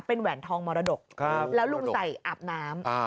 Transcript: เป็นแหวนทองมรดกแล้วลุงใส่อาบน้ำ